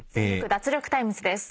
脱力タイムズ』です。